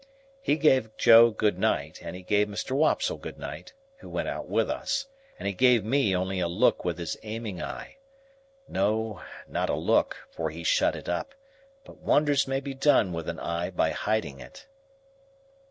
He gave Joe good night, and he gave Mr. Wopsle good night (who went out with us), and he gave me only a look with his aiming eye,—no, not a look, for he shut it up, but wonders may be done with an eye by hiding it.